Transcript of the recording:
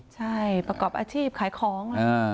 ใช่ประกอบอาชีพขายของ